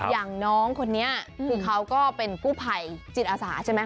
อย่างน้องคนนี้คือเขาก็เป็นกู้ภัยจิตอาสาใช่ไหม